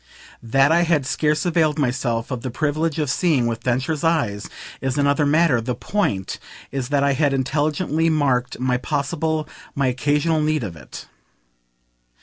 That I had scarce availed myself of the privilege of seeing with Densher's eyes is another matter; the point is that I had intelligently marked my possible, my occasional need of it.